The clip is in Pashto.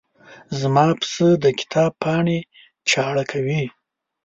زما پسه د کتاب پاڼې چاړه کوي.